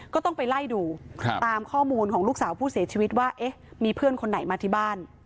ก็ต้องไปไล่ดูตามข้อมูลของลูกสาวผู้เสียชีวิตว่าเอ๊ะมีเพื่อนคนไหนมาที่บ้าน